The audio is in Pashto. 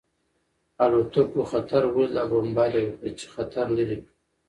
الوتکو خطر ولید او بمبار یې وکړ چې خطر لرې کړي